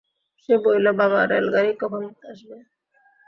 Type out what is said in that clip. সে বলিল, বাবা, রেলগাড়ি কখন আসবে?